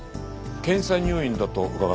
検査入院だと伺っていますが。